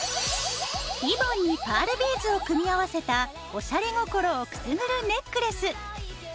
リボンにパールビーズを組み合わせたおしゃれ心をくすぐるネックレス。